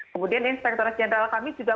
kemudian inspektor general kami juga